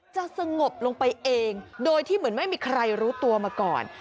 สงบลงไปเองโดยที่เหมือนไม่มีใครรู้ตัวมาก่อน